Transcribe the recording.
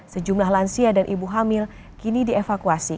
sejumlah lansia dan ibu hamil kini dievakuasi